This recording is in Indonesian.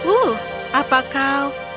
oh apa kau